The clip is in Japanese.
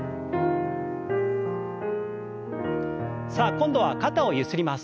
さあ今度は肩をゆすります。